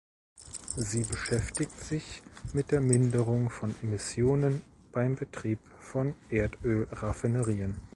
Sie beschäftigt sich mit der Minderung von Emissionen beim Betrieb von Erdölraffinerien.